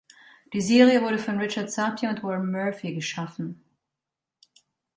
Die Serie wurde von Richard Sapir und Warren Murphy geschaffen.